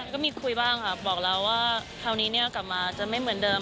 ก็มีคุยบ้างค่ะบอกแล้วว่าคราวนี้กลับมาจะไม่เหมือนเดิม